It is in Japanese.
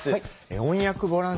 音訳ボランティアはね